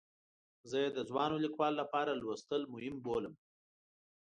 زه یې د ځوانو لیکوالو لپاره لوستل مهم بولم.